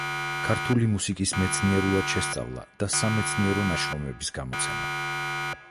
ქართული მუსიკის მეცნიერულად შესწავლა და სამეცნიერო ნაშრომების გამოცემა.